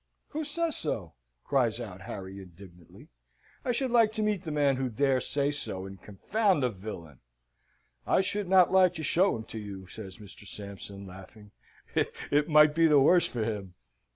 "Who says so?" cries out Harry, indignantly. "I should like to meet the man who dares say so, and confound the villain!" "I should not like to show him to you," says Mr. Sampson, laughing. "It might be the worse for him."